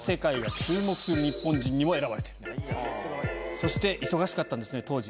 そして忙しかったんですね当時。